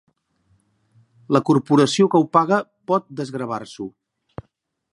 La corporació que ho paga pot desgravar-s'ho.